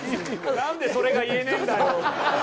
なんでそれが言えねえんだよ。